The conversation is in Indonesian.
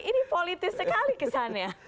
ini politis sekali kesannya